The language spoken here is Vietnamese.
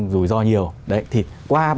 rủi ro nhiều đấy thì qua